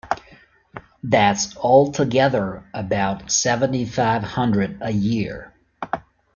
That's altogether about seventy-five hundred a year.